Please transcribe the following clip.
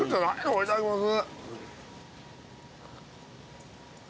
これいただきます